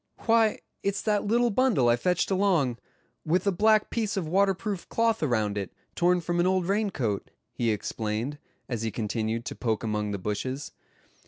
"Why, it's that little bundle I fetched along, with a black piece of waterproof cloth around it, torn from an old rain coat," he explained, as he continued to poke among the bushes.